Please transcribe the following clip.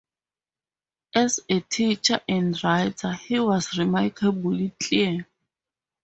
As a teacher and writer he was remarkably clear.